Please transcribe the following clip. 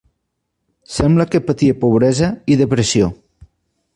Sembla que patia pobresa i depressió.